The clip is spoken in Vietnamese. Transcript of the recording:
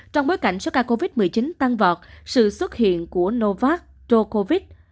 trong bối cảnh số ca covid một mươi chín tăng vọt sự xuất hiện của novak dokovic